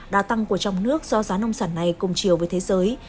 đa tăng của trong nước do giá nông sản này cùng chiều với thế giới